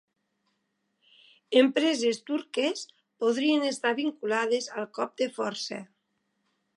Empreses turques podrien estar vinculades al cop de força